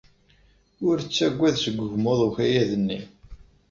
Ur ttagad seg wegmuḍ n ukayad-nni.